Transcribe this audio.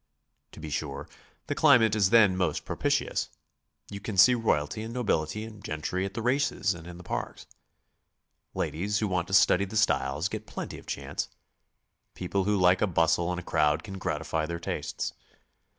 To be sure, the climate is then most propitious; you can see royalty and nobility and gentry at the races and in the parks; ladies who want to study the styles get plenty of chance; people who like a bustle and a crowd can gratify their tastes.